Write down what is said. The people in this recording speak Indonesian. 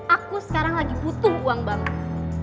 aku sekarang lagi butuh uang banget